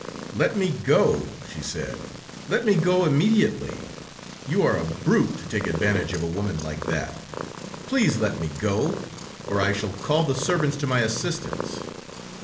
"Let me go," she said, "let me go immediately,... You are a brute to take advantage of a woman like that.... Please let me go, or I shall call the servants to my assistance."